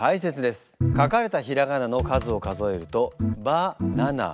書かれたひらがなの数を数えると「ば」７。